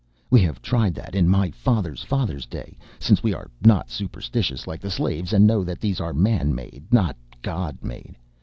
"We have tried that, in my father's father's day, since we are not superstitious like the slaves and know that these are man made not god made.